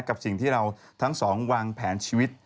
กับสิ่งที่เราทั้งสองวางแผนชีวิต